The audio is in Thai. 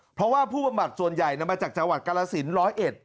เพราะว่าผู้บำบัดส่วนใหญ่มาจากจังหวัดกาลสินร้อยเอ็ด